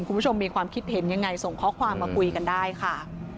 คุณผู้ชมมีความคิดเห็นยังไงส่งข้อความมาคุยกันได้ค่ะ